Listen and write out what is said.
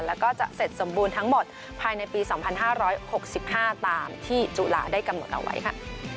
แล้วก็จะเสร็จสมบูรณ์ทั้งหมดภายในปี๒๕๖๕ตามที่จุฬาได้กำหนดเอาไว้ค่ะ